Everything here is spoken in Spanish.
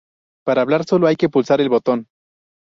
Para hablar solo hay que pulsar el botón.